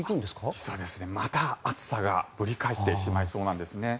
実はまた暑さがぶり返してしまいそうなんです。